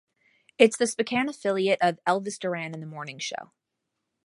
It is the Spokane affiliate of "Elvis Duran and the Morning Show".